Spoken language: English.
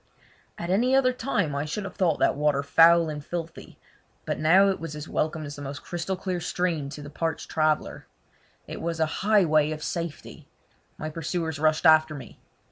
At any other time I should have thought that water foul and filthy, but now it was as welcome as the most crystal stream to the parched traveller. It was a highway of safety! My pursuers rushed after me.